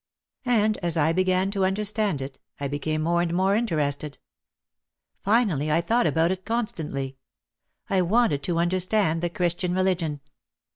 And as I began to understand it I became more and more interested. Finally I thought about it constantly. I wanted to understand the Christian religion.